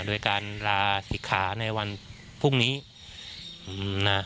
โดยการลาศิกขาในวันพรุ่งนี้นะ